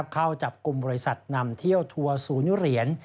เข้าจับกลุ่มบริษัทนำเที่ยวทัวร์ศูนย์เหรียญ